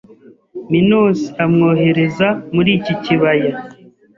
Minos amwohereza muri iki kibaya